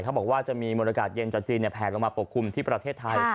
เขาบอกว่าจะมีมวลอากาศเย็นจากจีนแผลลงมาปกคลุมที่ประเทศไทย